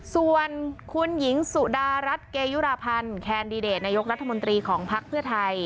ส่วนคุณหญิงสุดารัฐเกยุราพันธ์แคนดิเดตนายกรัฐมนตรีของภักดิ์เพื่อไทย